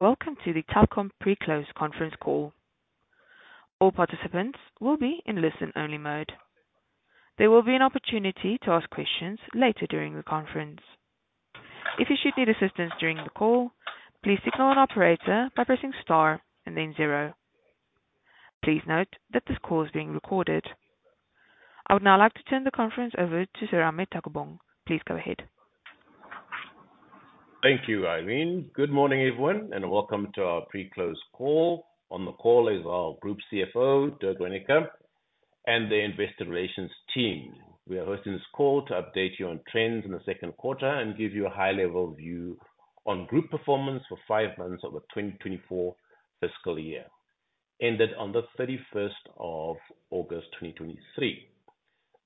Welcome to the Telkom Pre-Close Conference Call. All participants will be in listen-only mode. There will be an opportunity to ask questions later during the conference. If you should need assistance during the call, please signal an operator by pressing star and then zero. Please note that this call is being recorded. I would now like to turn the conference over to Serame Taukobong. Please go ahead. Thank you, Eileen. Good morning, everyone, and welcome to our pre-close call. On the call is our Group CFO, Dirk Reyneke, and the Investor Relations team. We are hosting this call to update you on trends in the second quarter and give you a high-level view on group performance for five months of the 2024 fiscal year, ended on the 31st of August 2023.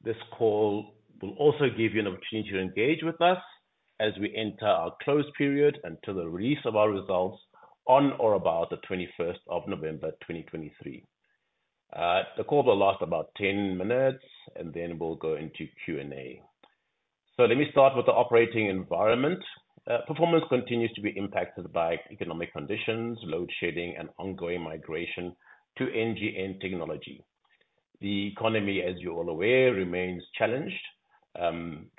This call will also give you an opportunity to engage with us as we enter our close period until the release of our results on or about the 21st of November 2023. The call will last about 10 minutes, and then we'll go into Q&A. So let me start with the operating environment. Performance continues to be impacted by economic conditions, load shedding, and ongoing migration to NGN technology. The economy, as you're all aware, remains challenged,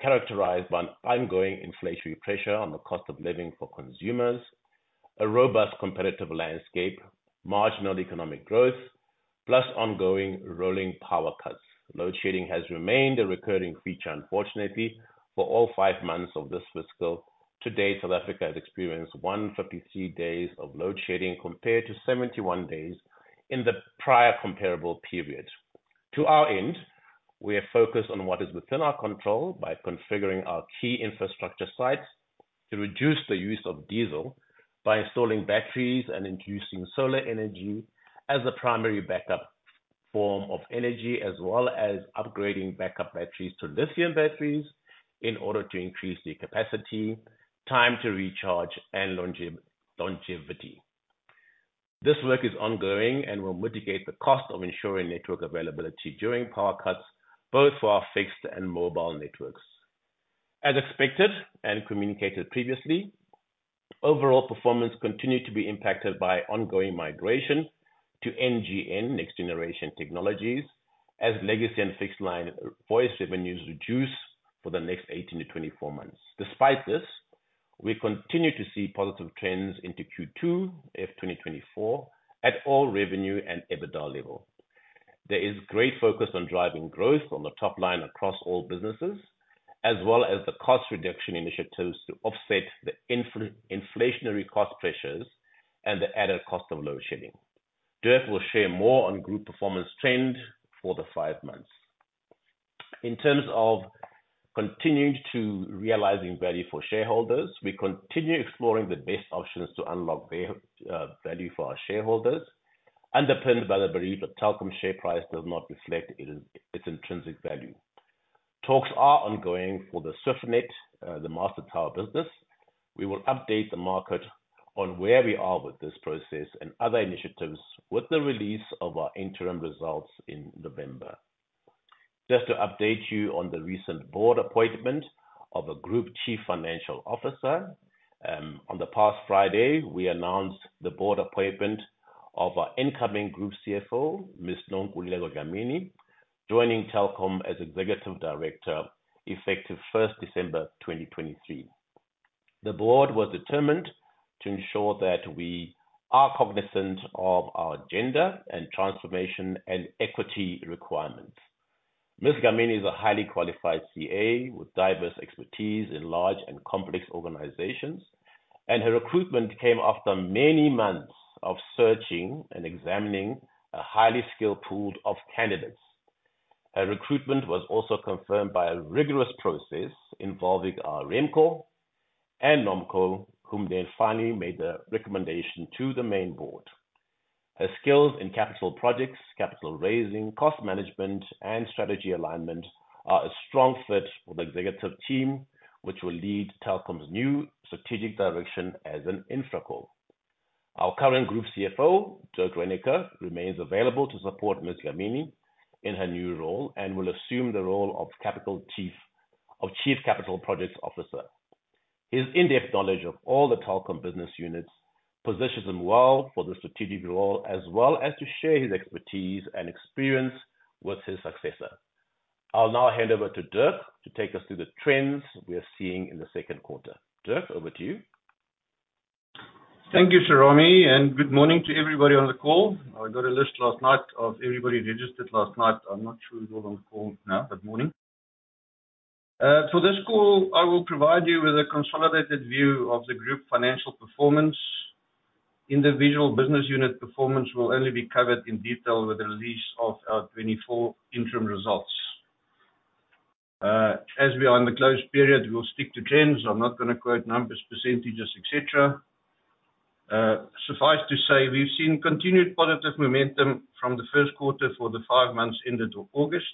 characterized by ongoing inflationary pressure on the cost of living for consumers, a robust competitive landscape, marginal economic growth, plus ongoing rolling power cuts. Load shedding has remained a recurring feature, unfortunately, for all five months of this fiscal. To date, South Africa has experienced 153 days of load shedding compared to 71 days in the prior comparable period. To our end, we are focused on what is within our control by configuring our key infrastructure sites to reduce the use of diesel by installing batteries and introducing solar energy as a primary backup form of energy, as well as upgrading backup batteries to lithium batteries in order to increase the capacity, time to recharge, and longevity. This work is ongoing and will mitigate the cost of ensuring network availability during power cuts, both for our fixed and mobile networks. As expected and communicated previously, overall performance continued to be impacted by ongoing migration to NGN, Next Generation Network, as legacy and fixed-line voice revenues reduce for the next 18-24 months. Despite this, we continue to see positive trends into Q2 of 2024 at all revenue and EBITDA levels. There is great focus on driving growth on the top line across all businesses, as well as the cost reduction initiatives to offset the inflationary cost pressures and the added cost of load shedding. Dirk will share more on group performance trends for the five months. In terms of continuing to realize value for shareholders, we continue exploring the best options to unlock value for our shareholders, underpinned by the belief that Telkom's share price does not reflect its intrinsic value. Talks are ongoing for the Swiftnet, the mast and tower business. We will update the market on where we are with this process and other initiatives with the release of our interim results in November. Just to update you on the recent board appointment of a Group Chief Financial Officer, on the past Friday, we announced the board appointment of our incoming Group CFO, Ms. Nonkululeko Dlamini, joining Telkom as Executive Director effective 1st December 2023. The board was determined to ensure that we are cognizant of our agenda and transformation and equity requirements. Ms. Dlamini is a highly qualified CA with diverse expertise in large and complex organizations, and her recruitment came after many months of searching and examining a highly skilled pool of candidates. Her recruitment was also confirmed by a rigorous process involving our RemCo and NomCo, whom they finally made the recommendation to the main board. Her skills in capital projects, capital raising, cost management, and strategy alignment are a strong fit for the executive team, which will lead Telkom's new strategic direction as an InfraCo. Our current Group CFO, Dirk Reyneke, remains available to support Ms. Dlamini in her new role and will assume the role of Chief Capital Projects Officer. His in-depth knowledge of all the Telkom business units positions him well for the strategic role, as well as to share his expertise and experience with his successor. I'll now hand over to Dirk to take us through the trends we are seeing in the second quarter. Dirk, over to you. Thank you, Serame, and good morning to everybody on the call. I got a list last night of everybody registered last night. I'm not sure if you're all on the call now that morning. For this call, I will provide you with a consolidated view of the group financial performance. Individual business unit performance will only be covered in detail with the release of our 2024 interim results. As we are in the close period, we'll stick to trends. I'm not going to quote numbers, percentages, etc. Suffice to say, we've seen continued positive momentum from the first quarter for the five months ended to August.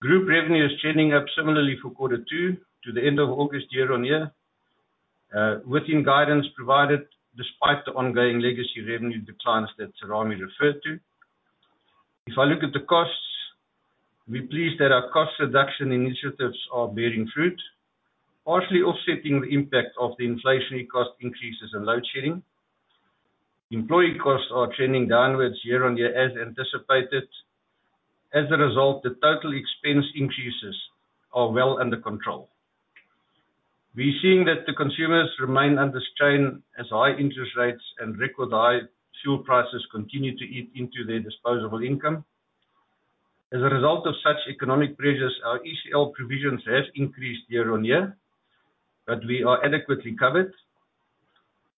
Group revenue is trending up similarly for quarter two to the end of August year-on-year, within guidance provided despite the ongoing legacy revenue declines that Serame referred to. If I look at the costs, we're pleased that our cost reduction initiatives are bearing fruit, partially offsetting the impact of the inflationary cost increases and load shedding. Employee costs are trending downwards year-on-year, as anticipated. As a result, the total expense increases are well under control. We're seeing that the consumers remain under strain as high interest rates and record high fuel prices continue to eat into their disposable income. As a result of such economic pressures, our ECL provisions have increased year-on-year, but we are adequately covered.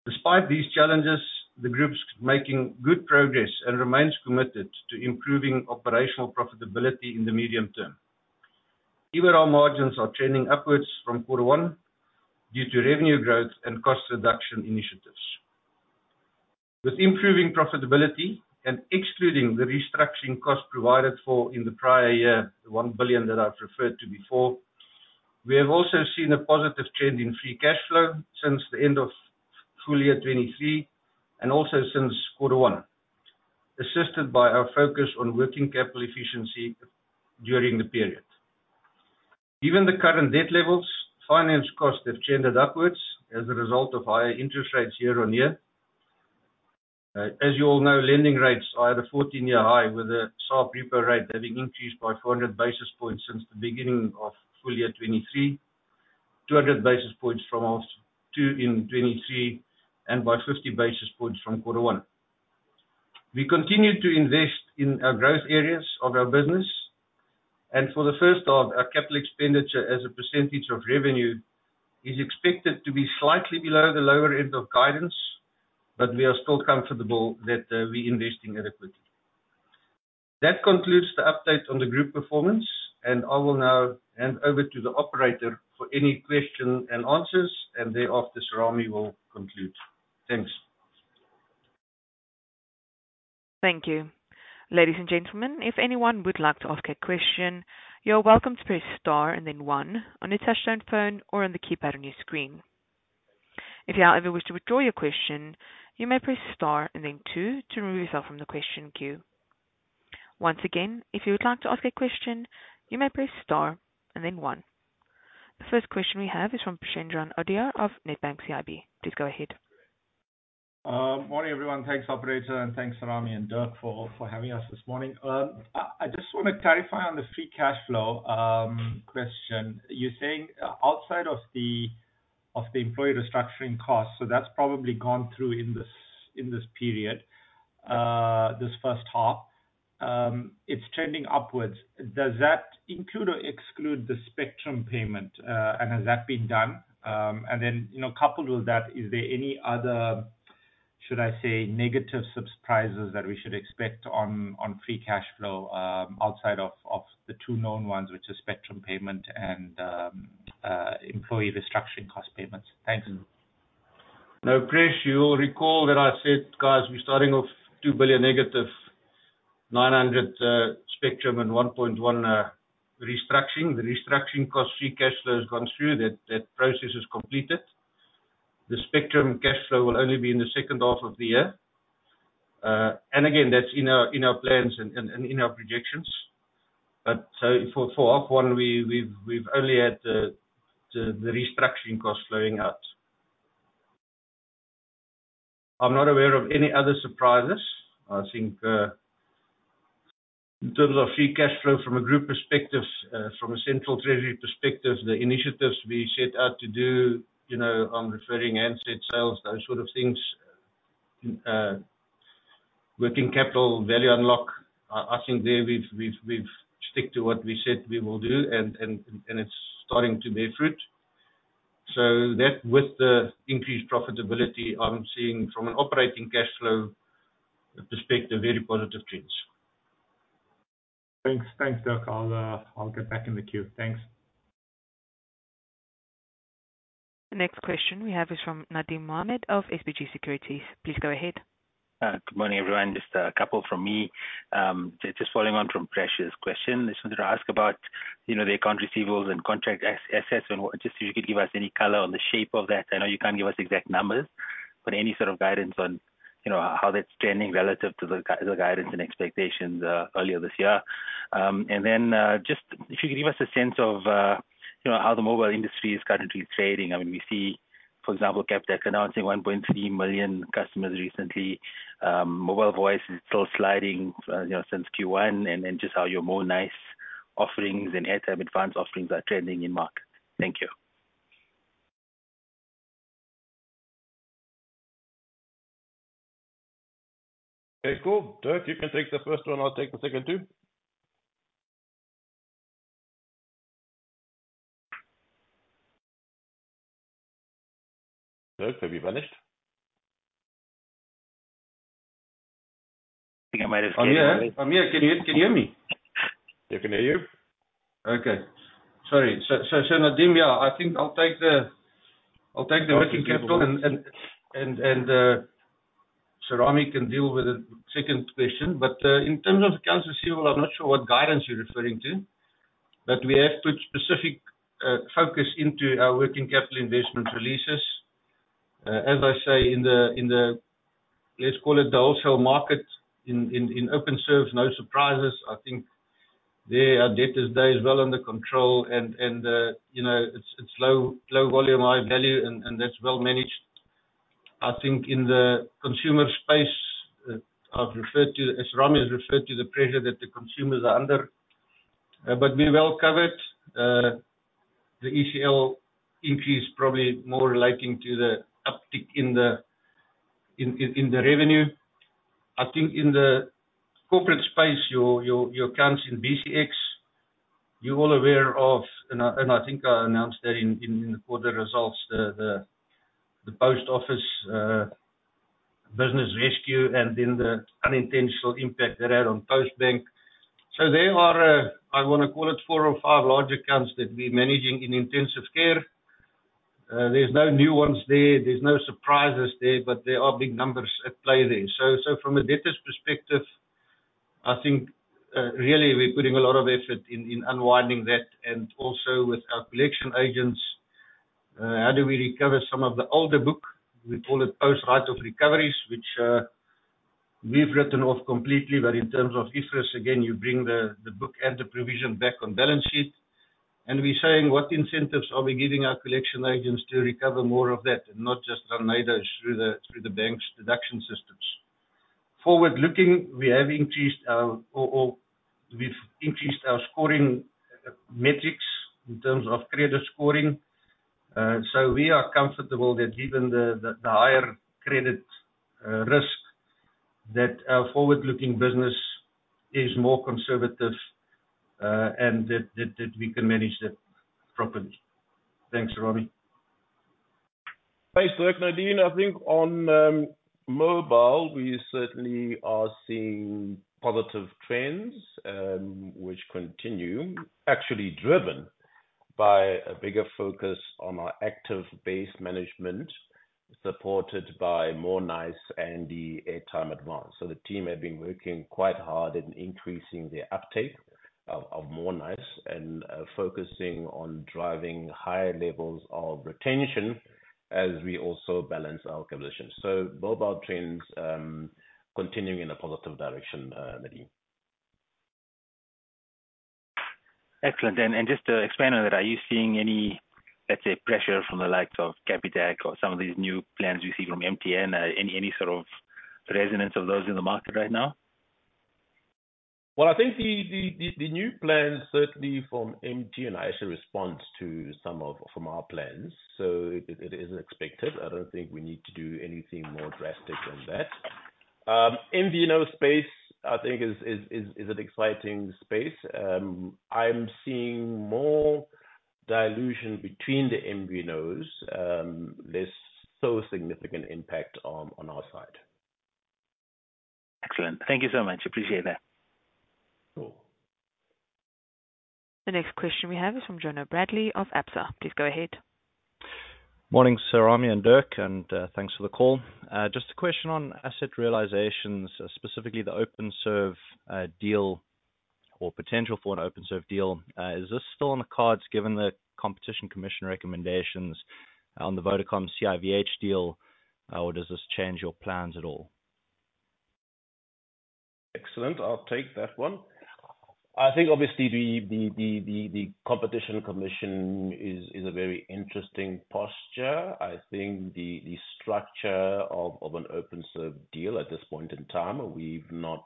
Despite these challenges, the group's making good progress and remains committed to improving operational profitability in the medium term. Even our margins are trending upwards from quarter one due to revenue growth and cost reduction initiatives. With improving profitability and excluding the restructuring cost provided for in the prior year, the 1 billion that I've referred to before, we have also seen a positive trend in free cash flow since the end of full year 2023 and also since quarter one, assisted by our focus on working capital efficiency during the period. Given the current debt levels, finance costs have trended upwards as a result of higher interest rates year on year. As you all know, lending rates are at a 14-year high, with the SARB repo rate having increased by 400 basis points since the beginning of full year 2023, 200 basis points from 2023, and by 50 basis points from quarter one. We continue to invest in our growth areas of our business, and for the first half, our capital expenditure as a percentage of revenue is expected to be slightly below the lower end of guidance, but we are still comfortable that we are investing adequately. That concludes the update on the group performance, and I will now hand over to the operator for any questions and answers, and thereafter, Serame will conclude. Thanks. Thank you. Ladies and gentlemen, if anyone would like to ask a question, you're welcome to press star and then one on your touch-tone phone or on the keypad on your screen. If you however wish to withdraw your question, you may press star and then two to remove yourself from the question queue. Once again, if you would like to ask a question, you may press star and then one. The first question we have is from Preshendran Odayar of Nedbank CIB. Please go ahead. Morning, everyone. Thanks, Operator, and thanks, Serame and Dirk, for having us this morning. I just want to clarify on the free cash flow question. You're saying outside of the employee restructuring costs, so that's probably gone through in this period, this first half, it's trending upwards. Does that include or exclude the spectrum payment, and has that been done? And then coupled with that, is there any other, should I say, negative surprises that we should expect on free cash flow outside of the two known ones, which are spectrum payment and employee restructuring cost payments? Thanks. No, Prash, you'll recall that I said, guys, we're starting off -2 billion, 900 million spectrum and 1.1 billion restructuring. The restructuring cost free cash flow has gone through. That process is completed. The spectrum cash flow will only be in the second half of the year. And again, that's in our plans and in our projections. But so for half one, we've only had the restructuring cost flowing out. I'm not aware of any other surprises. I think in terms of free cash flow from a group perspective, from a central treasury perspective, the initiatives we set out to do, I'm referring to handset sales, those sort of things, working capital value unlock, I think there we've stuck to what we said we will do, and it's starting to bear fruit. So that, with the increased profitability, I'm seeing from an operating cash flow perspective, very positive trends. Thanks. Thanks, Dirk. I'll get back in the queue. Thanks. The next question we have is from Nadim Mohamed of SBG Securities. Please go ahead. Good morning, everyone. Just a couple from me. Just following on from Prash's question, I just wanted to ask about their account receivables and contract assets, and just if you could give us any color on the shape of that. I know you can't give us exact numbers, but any sort of guidance on how that's trending relative to the guidance and expectations earlier this year. And then just if you could give us a sense of how the mobile industry is currently trading. I mean, we see, for example, Capitec announcing 1.3 million customers recently. Mobile voice is still sliding since Q1, and then just how your Mo'Nice offerings and Airtime Advance offerings are trending in market. Thank you. Very cool. Dirk, you can take the first one. I'll take the second too. Dirk, have you vanished? I think I might have gone away. I'm here. I'm here. Can you hear me? Yeah, I can hear you. Okay. Sorry. So Nadim, yeah, I think I'll take the working capital. And Serame can deal with the second question. But in terms of accounts receivable, I'm not sure what guidance you're referring to, but we have put specific focus into our working capital investment releases. As I say, in the, let's call it the wholesale market in OpenServe, no surprises. I think there our debt is there as well under control, and it's low volume, high value, and that's well managed. I think in the consumer space, as Serame has referred to, the pressure that the consumers are under, but we're well covered. The ECL increase is probably more relating to the uptick in the revenue. I think in the corporate space, your accounts in BCX, you're all aware of, and I think I announced that in the quarter results, the Post Office business rescue and then the unintentional impact that had on Postbank. So there are, I want to call it, four or five large accounts that we're managing in intensive care. There's no new ones there. There's no surprises there, but there are big numbers at play there. So from a debtor's perspective, I think really we're putting a lot of effort in unwinding that, and also with our collection agents, how do we recover some of the older book? We call it post write-off recoveries, which we've written off completely, but in terms of IFRS, again, you bring the book and the provision back on balance sheet. And we're saying, what incentives are we giving our collection agents to recover more of that and not just run NAEDOs through the bank's deduction systems? Forward-looking, we have increased our scoring metrics in terms of credit scoring. So we are comfortable that given the higher credit risk, that our forward-looking business is more conservative and that we can manage that properly. Thanks, Serame. Thanks, Dirk. Nadim, I think on mobile, we certainly are seeing positive trends, which continue, actually driven by a bigger focus on our active-based management supported by Mo'Nice and the Airtime Advance. So the team has been working quite hard in increasing the uptake of Mo'Nice and focusing on driving higher levels of retention as we also balance our conversion. So mobile trends continuing in a positive direction, Nadim. Excellent. Just to expand on that, are you seeing any, let's say, pressure from the likes of Capitec or some of these new plans we see from MTN? Any sort of resonance of those in the market right now? Well, I think the new plans certainly from MTN actually respond to some of our plans, so it is expected. I don't think we need to do anything more drastic than that. MVNO space, I think, is an exciting space. I'm seeing more dilution between the MVNOs, less so significant impact on our side. Excellent. Thank you so much. Appreciate that. Cool. The next question we have is from Jonathan Bradley of Absa. Please go ahead. Morning, Serame and Dirk, and thanks for the call. Just a question on asset realizations, specifically the OpenServe deal or potential for an OpenServe deal. Is this still on the cards given the Competition Commission recommendations on the Vodacom CIVH deal, or does this change your plans at all? Excellent. I'll take that one. I think obviously the Competition Commission is a very interesting posture. I think the structure of an OpenServe deal at this point in time, we've not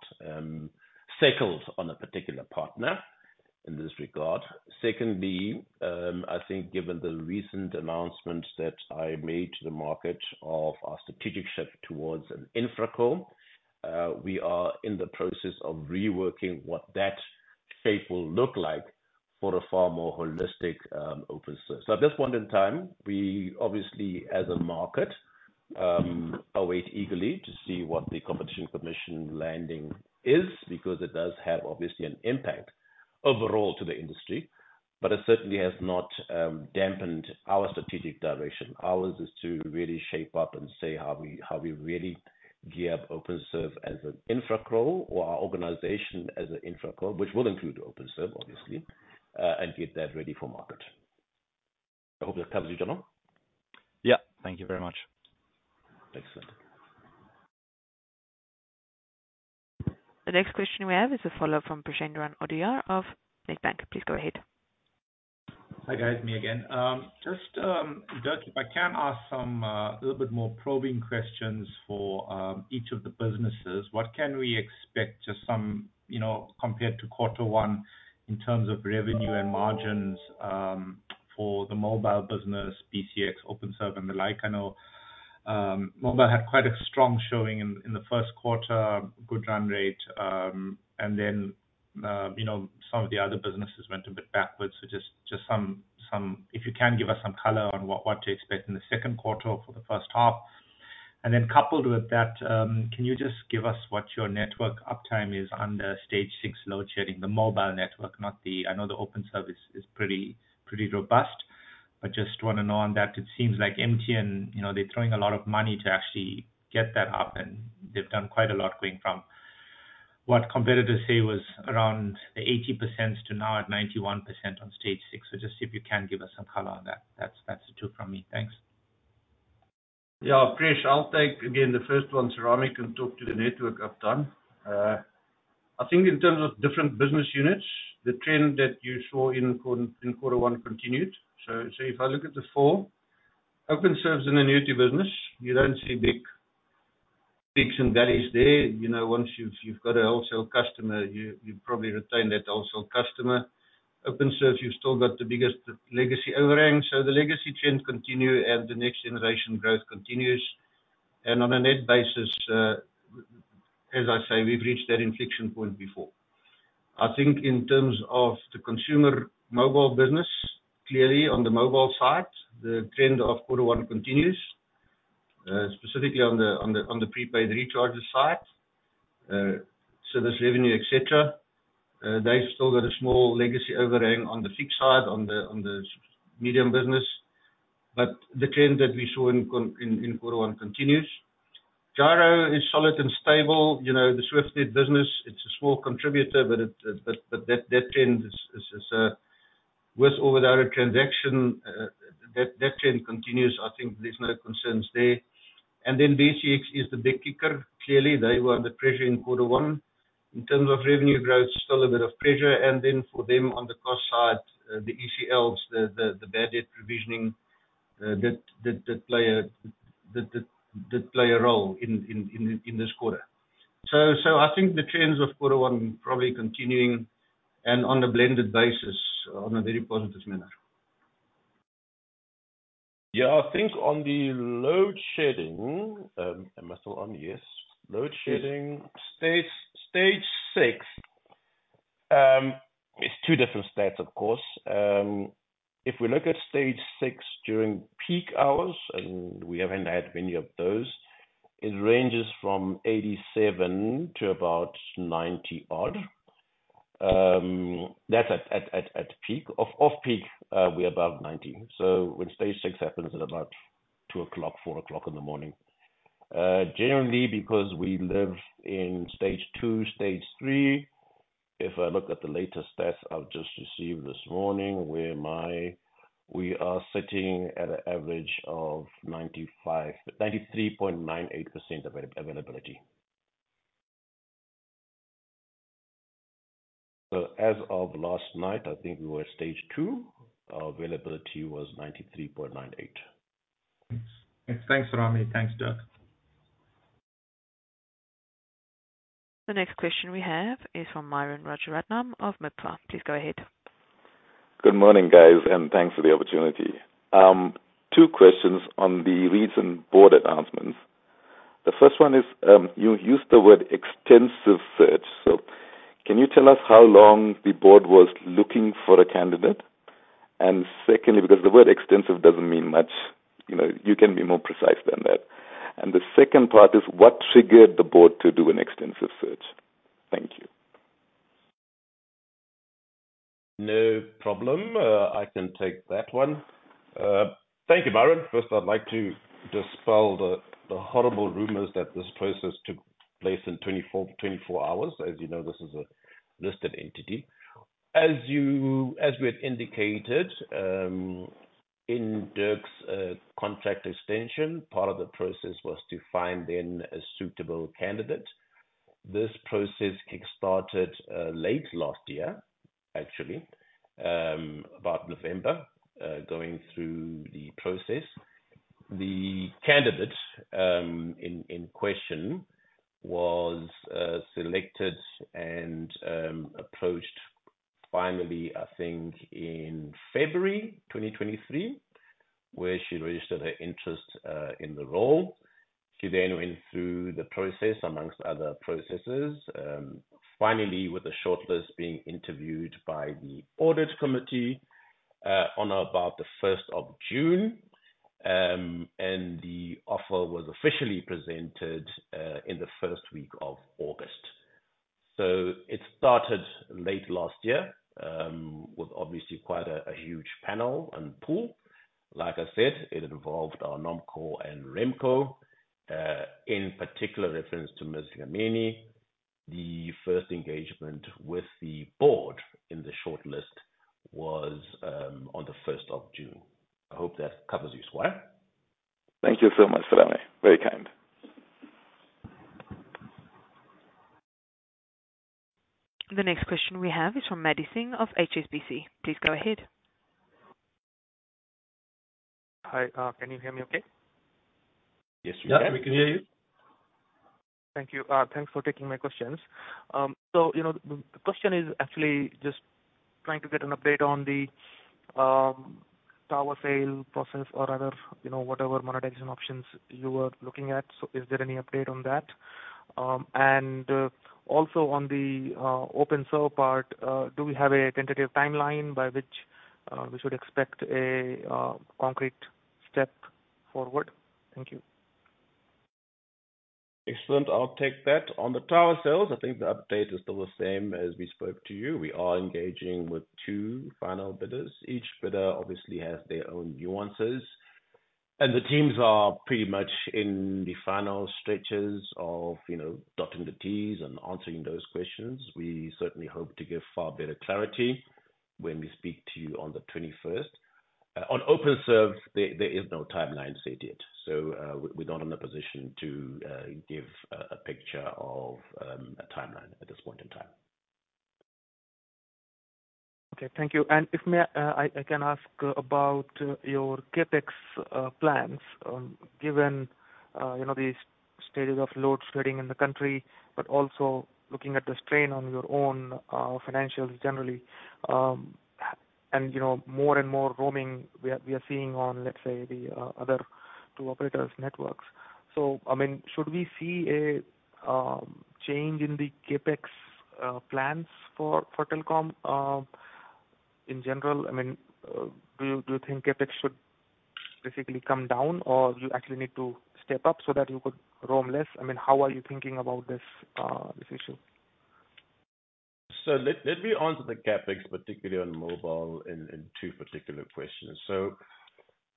settled on a particular partner in this regard. Secondly, I think given the recent announcements that I made to the market of our strategic shift towards an InfraCo, we are in the process of reworking what that shape will look like for a far more holistic OpenServe. So at this point in time, we obviously, as a market, await eagerly to see what the Competition Commission landing is because it does have obviously an impact overall to the industry, but it certainly has not dampened our strategic direction. Ours is to really shape up and say how we really gear up OpenServe as an InfraCo or our organization as an InfraCo, which will include OpenServe, obviously, and get that ready for market. I hope that covers you, Jonah. Yeah. Thank you very much. Excellent. The next question we have is a follow-up from Preshendran Odayar of Nedbank CIB. Please go ahead. Hi guys, me again. Just, Dirk, if I can ask some a little bit more probing questions for each of the businesses, what can we expect just compared to quarter one in terms of revenue and margins for the mobile business, BCX, OpenServe, and the like? I know mobile had quite a strong showing in the first quarter, good run rate, and then some of the other businesses went a bit backwards. So just if you can give us some color on what to expect in the second quarter for the first half. And then coupled with that, can you just give us what your network uptime is under stage six load shedding, the mobile network, not the. I know the OpenServe is pretty robust, but just want to know on that. It seems like MTN, they're throwing a lot of money to actually get that up, and they've done quite a lot going from what competitors say was around 80% to now at 91% on stage six. So just if you can give us some color on that, that's the two from me. Thanks. Yeah, Preshendran, I'll take again the first one. Serame can talk to the network uptime. I think in terms of different business units, the trend that you saw in quarter one continued. So if I look at the four, OpenServe's in the nutty business, you don't see big peaks and valleys there. Once you've got a wholesale customer, you probably retain that wholesale customer. OpenServe, you've still got the biggest legacy overhang. So the legacy trend continues and the next generation growth continues. And on a net basis, as I say, we've reached that inflection point before. I think in terms of the consumer mobile business, clearly on the mobile side, the trend of quarter one continues, specifically on the prepaid recharger side, service revenue, etc. They've still got a small legacy overhang on the fixed side, on the medium business, but the trend that we saw in quarter one continues. Jaro is solid and stable. The SwiftNet business, it's a small contributor, but that trend is worth all without a transaction. That trend continues. I think there's no concerns there. And then BCX is the big kicker. Clearly, they were under pressure in quarter one. In terms of revenue growth, still a bit of pressure. And then for them on the cost side, the ECLs, the bad debt provisioning that played a role in this quarter. So I think the trends of quarter one probably continuing and on a blended basis on a very positive manner. Yeah, I think on the load shedding, am I still on? Yes. Load shedding, stage six, it's two different states, of course. If we look at stage six during peak hours, and we haven't had many of those, it ranges from 87 to about 90-odd. That's at peak. Off-peak, we're above 90. So when stage six happens at about 2:00 A.M., 4:00 A.M. in the morning. Generally, because we live in stage two, stage three, if I look at the latest stats I've just received this morning, we are sitting at an average of 93.98% availability. So as of last night, I think we were stage two. Our availability was 93.98%. Thanks. Thanks, Serame. Thanks, Dirk. The next question we have is from Myron Rajaratnam of Macquarie. Please go ahead. Good morning, guys, and thanks for the opportunity. Two questions on the recent board announcements. The first one is you used the word extensive search. So can you tell us how long the board was looking for a candidate? And secondly, because the word extensive doesn't mean much, you can be more precise than that. And the second part is what triggered the board to do an extensive search? Thank you. No problem. I can take that one. Thank you, Myron. First, I'd like to dispel the horrible rumors that this process took place in 24 hours. As you know, this is a listed entity. As we had indicated in Dirk's contract extension, part of the process was to find then a suitable candidate. This process kickstarted late last year, actually, about November, going through the process. The candidate in question was selected and approached finally, I think, in February 2023, where she registered her interest in the role. She then went through the process amongst other processes, finally with a shortlist being interviewed by the audit committee on or about the 1st of June, and the offer was officially presented in the first week of August. So it started late last year with obviously quite a huge panel and pool. Like I said, it involved our NomCo and RemCo, in particular reference to Ms. Dlamini. The first engagement with the board in the shortlist was on the 1st of June. I hope that covers you, Myron. Thank you so much, Serame. Very kind. The next question we have is from Madison of HSBC. Please go ahead. Hi, can you hear me okay? Yes, we can. Yeah, we can hear you. Thank you. Thanks for taking my questions. So the question is actually just trying to get an update on the tower sale process or other whatever monetization options you were looking at. So is there any update on that? And also on the OpenServe part, do we have a tentative timeline by which we should expect a concrete step forward? Thank you. Excellent. I'll take that. On the tower sales, I think the update is still the same as we spoke to you. We are engaging with two final bidders. Each bidder obviously has their own nuances, and the teams are pretty much in the final stretches of dotting the T's and answering those questions. We certainly hope to give far better clarity when we speak to you on the 21st. On OpenServe, there is no timeline set yet. So we're not in a position to give a picture of a timeline at this point in time. Okay, thank you. If I can ask about your Capex plans, given the state of load shedding in the country, but also looking at the strain on your own financials generally, and more and more roaming we are seeing on, let's say, the other two operators' networks. So, I mean, should we see a change in the Capex plans for telecom in general? I mean, do you think Capex should basically come down, or do you actually need to step up so that you could roam less? I mean, how are you thinking about this issue? So let me answer the CapEx, particularly on mobile, in two particular questions. So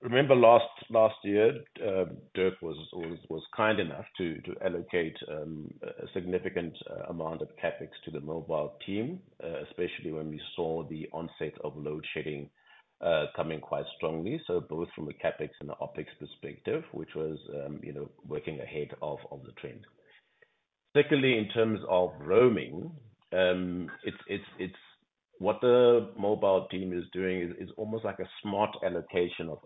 remember last year, Dirk was kind enough to allocate a significant amount of CapEx to the mobile team, especially when we saw the onset of load shedding coming quite strongly, so both from a CapEx and an OpEx perspective, which was working ahead of the trend. Secondly, in terms of roaming, what the mobile team is doing is almost like a smart allocation of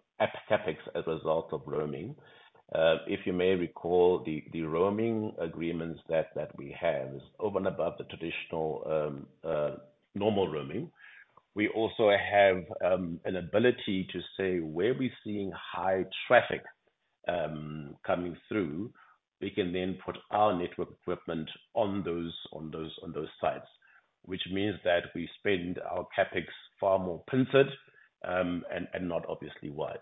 CapEx as a result of roaming. If you may recall, the roaming agreements that we have is above the traditional normal roaming. We also have an ability to say where we're seeing high traffic coming through, we can then put our network equipment on those sites, which means that we spend our CapEx far more pincered and not obviously wide.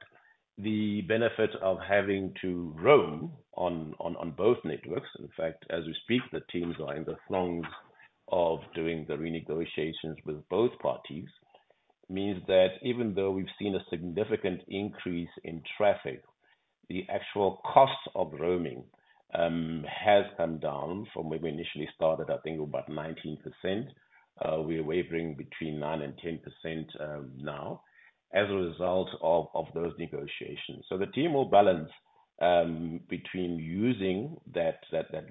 The benefit of having to roam on both networks, in fact, as we speak, the teams are in the throngs of doing the renegotiations with both parties, means that even though we've seen a significant increase in traffic, the actual cost of roaming has come down from where we initially started, I think, about 19%. We're wavering between 9% and 10% now as a result of those negotiations. So the team will balance between using that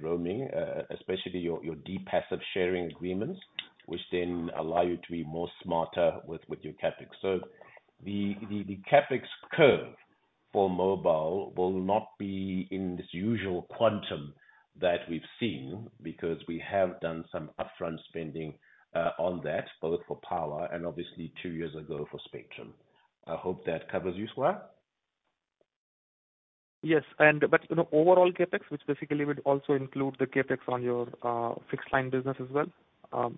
roaming, especially your deep passive sharing agreements, which then allow you to be more smarter with your Capex. So the Capex curve for mobile will not be in this usual quantum that we've seen because we have done some upfront spending on that, both for power and obviously two years ago for spectrum. I hope that covers you, Swan. Yes. But overall Capex, which basically would also include the Capex on your fixed-line business as well.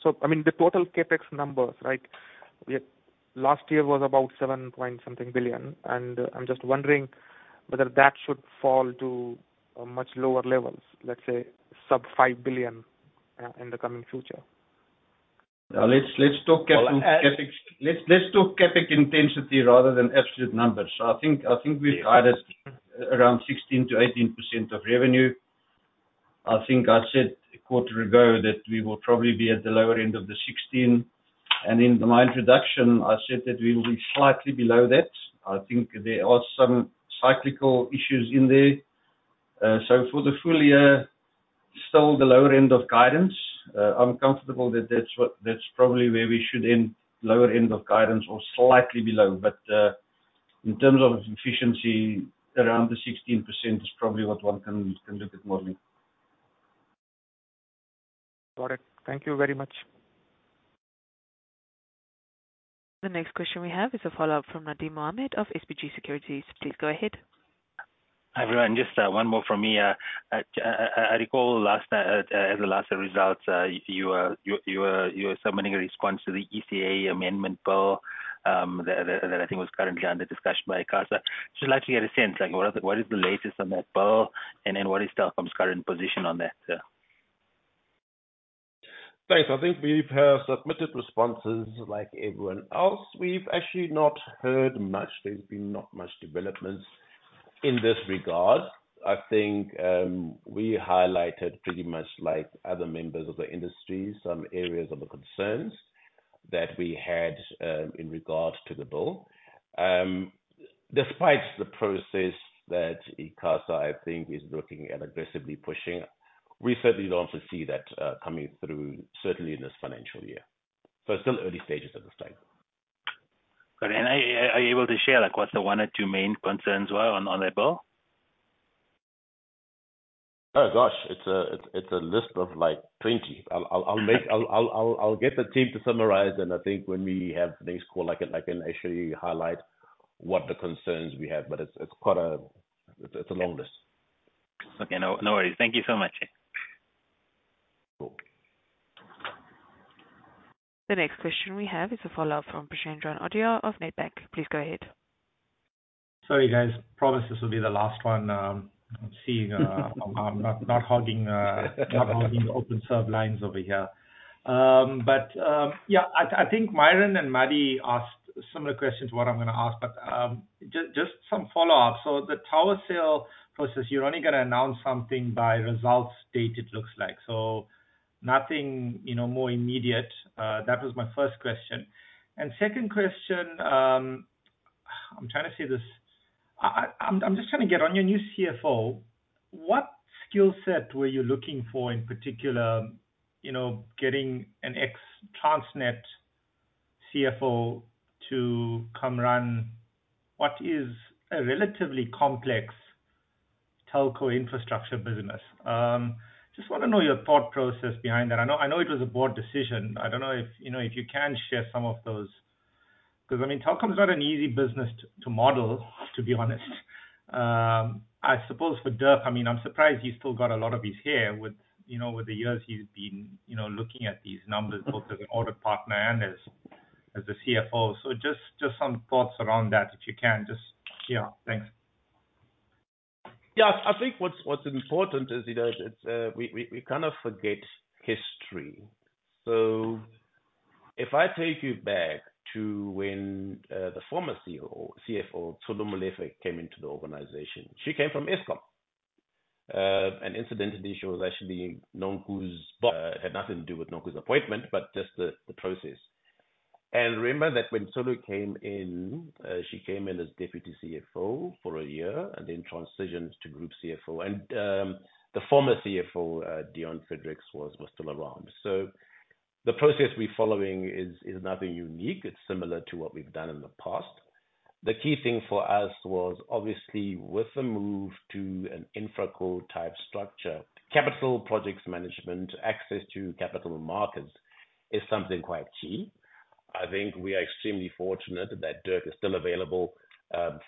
So, I mean, the total Capex numbers, right? Last year was about ZAR 7.something billion. And I'm just wondering whether that should fall to much lower levels, let's say sub 5 billion in the coming future. Let's talk CapEx intensity rather than absolute numbers. So I think we've got it around 16%-18% of revenue. I think I said a quarter ago that we will probably be at the lower end of the 16. And in my introduction, I said that we will be slightly below that. I think there are some cyclical issues in there. So for the full year, still the lower end of guidance. I'm comfortable that that's probably where we should end, lower end of guidance or slightly below. But in terms of efficiency, around the 16% is probably what one can look at more likely. Got it. Thank you very much. The next question we have is a follow-up from Nadim Mohamed of SBG Securities. Please go ahead. Hi, everyone. Just one more from me. I recall as a last resort, you were submitting a response to the ECA Amendment Bill that I think was currently under discussion by ICASA. Just like to get a sense, what is the latest on that bill, and then what is Telkom's current position on that? Thanks. I think we've submitted responses like everyone else. We've actually not heard much. There's been not much developments in this regard. I think we highlighted pretty much like other members of the industry some areas of the concerns that we had in regard to the bill. Despite the process that ICASA, I think, is looking at aggressively pushing, we certainly don't foresee that coming through, certainly in this financial year. So it's still early stages at this time. Got it. And are you able to share what the one or two main concerns were on that bill? Oh, gosh. It's a list of like 20. I'll get the team to summarize, and I think when we have things called like an issue, you highlight what the concerns we have, but it's quite a long list. Okay. No worries. Thank you so much. Cool. The next question we have is a follow-up from Preshendran Odayar of Nedbank. Please go ahead. Sorry, guys. Promise, this will be the last one. I'm seeing I'm not hogging the OpenServe lines over here. But yeah, I think Myron and Maddie asked similar questions to what I'm going to ask, but just some follow-up. So the tower sale process, you're only going to announce something by results date, it looks like. So nothing more immediate. That was my first question. Second question, I'm trying to say this. I'm just trying to get on your new CFO. What skill set were you looking for in particular, getting an ex-Transnet CFO to come run what is a relatively complex telco infrastructure business? Just want to know your thought process behind that. I know it was a board decision. I don't know if you can share some of those. Because, I mean, Telkom's not an easy business to model, to be honest. I suppose for Dirk, I mean, I'm surprised he's still got a lot of his hair with the years he's been looking at these numbers, both as an audit partner and as the CFO. So just some thoughts around that, if you can. Just yeah, thanks. Yeah. I think what's important is we kind of forget history. So if I take you back to when the former CFO, Tsholofelo Molefe, came into the organization, she came from Eskom. And incidentally, she was actually Nonku's. Had nothing to do with Nonku's appointment, but just the process. And remember that when Tsholo came in, she came in as deputy CFO for a year and then transitioned to group CFO. And the former CFO, Deon Fredericks, was still around. So the process we're following is nothing unique. It's similar to what we've done in the past. The key thing for us was obviously with the move to an InfraCo type structure, capital projects management, access to capital markets is something quite key. I think we are extremely fortunate that Dirk is still available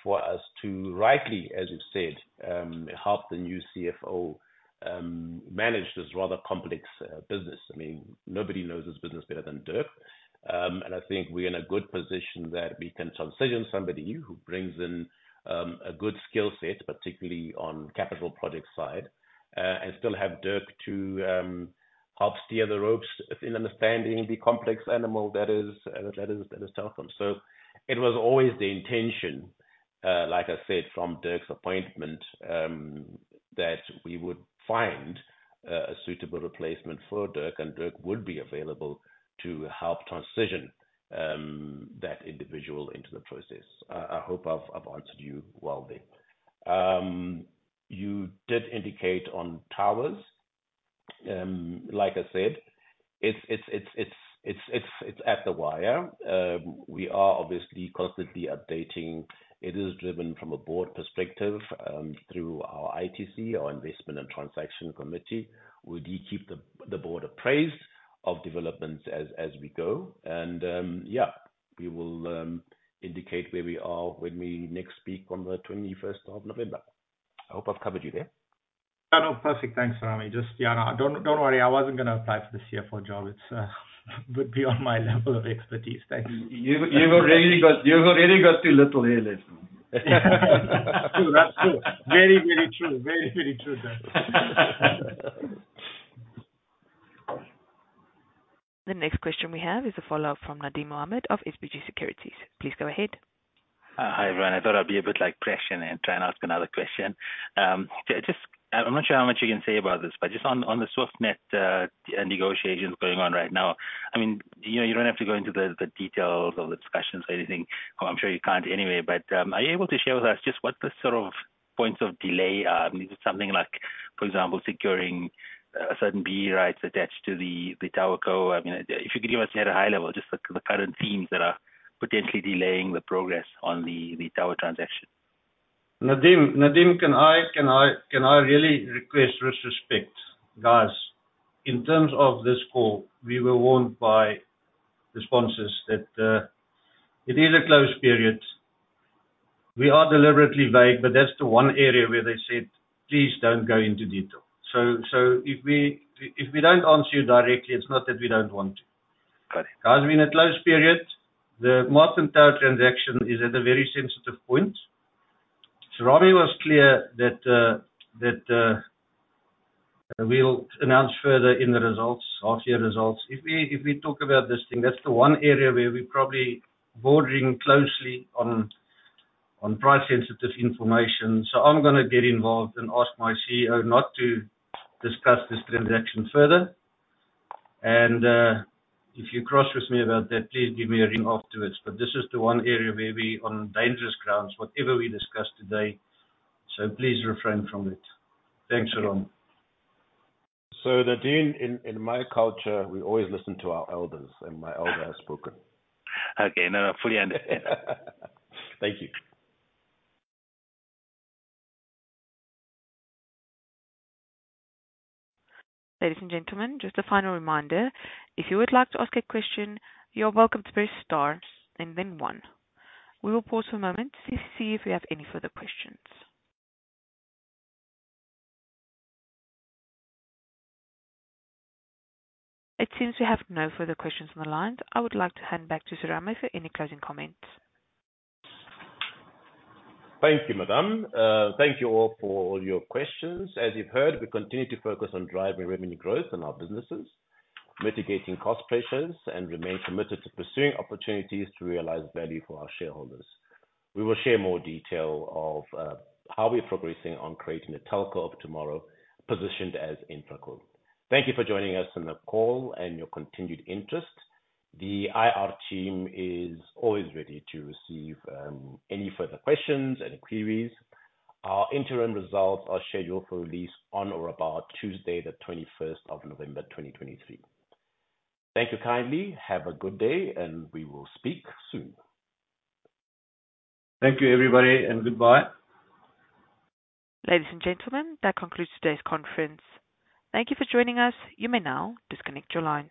for us to rightly, as you've said, help the new CFO manage this rather complex business. I mean, nobody knows this business better than Dirk. I think we're in a good position that we can transition somebody who brings in a good skill set, particularly on the capital project side, and still have Dirk to help show the ropes in understanding the complex animal that is Telkom. It was always the intention, like I said, from Dirk's appointment that we would find a suitable replacement for Dirk, and Dirk would be available to help transition that individual into the process. I hope I've answered you well there. You did indicate on towers. Like I said, it's at the wire. We are obviously constantly updating. It is driven from a board perspective through our ITC, our Investment and Transaction Committee. We do keep the board apprised of developments as we go. Yeah, we will indicate where we are when we next speak on the 21st of November. I hope I've covered you there. No, no. Perfect. Thanks, Serame. Just, yeah, don't worry. I wasn't going to apply for the CFO job. It would be on my level of expertise. Thanks. You've already got too little here, Preshendran. That's true. Very, very true. Very, very true, Dirk. The next question we have is a follow-up from Nadim Mohamed of SBG Securities. Please go ahead. Hi, everyone. I thought I'd be a bit like Prashendran and try and ask another question. I'm not sure how much you can say about this, but just on the Swiftnet negotiations going on right now, I mean, you don't have to go into the details of the discussions or anything. I'm sure you can't anyway. But are you able to share with us just what the sort of points of delay are? Is it something like, for example, securing certain B rights attached to the tower core? I mean, if you could give us at a high level, just the current themes that are potentially delaying the progress on the tower transaction. Nadim, can I really request respect? Guys, in terms of this call, we were warned by responses that it is a closed period. We are deliberately vague, but that's the one area where they said, "Please don't go into detail." So if we don't answer you directly, it's not that we don't want to. It has been a closed period. The Martin Tower transaction is at a very sensitive point. Serame was clear that we'll announce further in the results, half-year results. If we talk about this thing, that's the one area where we're probably bordering closely on price-sensitive information. So I'm going to get involved and ask my CEO not to discuss this transaction further. And if you cross with me about that, please give me a ring afterwards. But this is the one area where we're on dangerous grounds, whatever we discuss today. So please refrain from it. Thanks, everyone. Nadim, in my culture, we always listen to our elders, and my elder has spoken. Okay. No, no. Fully understand. Thank you. Ladies and gentlemen, just a final reminder. If you would like to ask a question, you're welcome to press star and then one. We will pause for a moment to see if we have any further questions. It seems we have no further questions on the line. I would like to hand back to Serame for any closing comments. Thank you, Madam. Thank you all for all your questions. As you've heard, we continue to focus on driving revenue growth in our businesses, mitigating cost pressures, and remain committed to pursuing opportunities to realize value for our shareholders. We will share more detail of how we're progressing on creating a telco of tomorrow positioned as InfraCo. Thank you for joining us in the call and your continued interest. The IR team is always ready to receive any further questions and queries. Our interim results are scheduled for release on or about Tuesday, the 21st of November, 2023. Thank you kindly. Have a good day, and we will speak soon. Thank you, everybody, and goodbye. Ladies and gentlemen, that concludes today's conference. Thank you for joining us. You may now disconnect your lines.